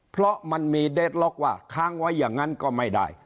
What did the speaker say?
เพราะมันมีเดทล็อกว่าค้างไว้อย่างนั้นก็ไม่ได้